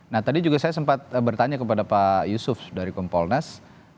nah tadi juga saya sempat bertanya kepada pak yusuf dari kompolnas